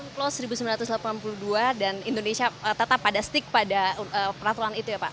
close seribu sembilan ratus delapan puluh dua dan indonesia tetap pada stick pada peraturan itu ya pak